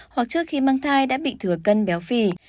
hoặc trước khi mang thai đã bị thừa cân béo phì